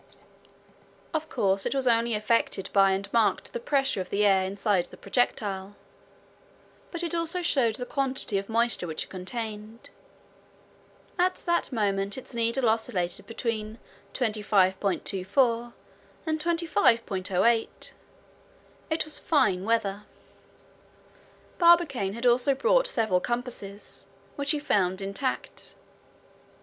Of course it was only affected by and marked the pressure of the air inside the projectile, but it also showed the quantity of moisture which it contained. At that moment its needle oscillated between 25.24 and 25.08. It was fine weather. Barbicane had also brought several compasses, which he found intact.